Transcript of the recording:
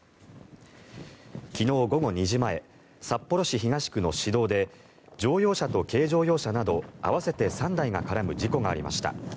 昨日午後２時前札幌市東区の市道で乗用車と軽乗用車など合わせて３台が絡む事故がありました。